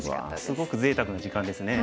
すごくぜいたくな時間ですね。